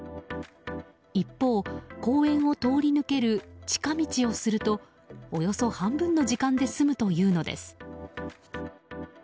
一方、公園を通り抜ける近道をするとおよそ半分の時間で済むというのです。